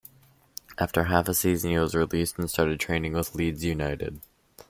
After half a season he was released and started training with Leeds United.